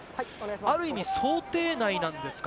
ある意味、想定内なんですか？